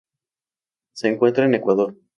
Se encuentra en Ecuador.